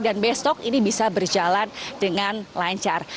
dan besok ini bisa berjalan dengan lancar